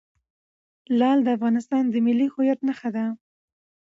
لعل د افغانستان د ملي هویت نښه ده.